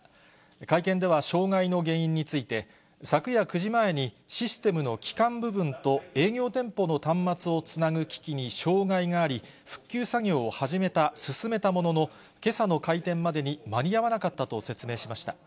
会見では、障害の原因について、昨夜９時前にシステムの基幹部分と営業店舗の端末をつなぐ機器に障害があり、復旧作業を進めたものの、けさの開店までに間に合わなかったと説明しました。